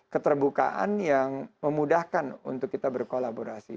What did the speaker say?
keterbukaan yang memudahkan untuk kita berkolaborasi